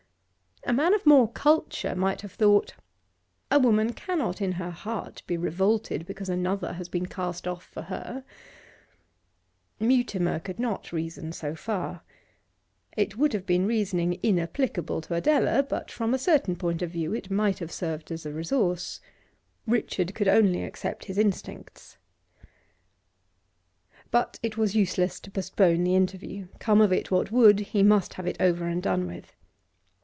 A man of more culture might have thought: A woman cannot in her heart be revolted because another has been cast off for her. Mutimer could not reason so far. It would have been reasoning inapplicable to Adela, but from a certain point of view it might have served as a resource. Richard could only accept his instincts. But it was useless to postpone the interview; come of it what would, he must have it over and done with.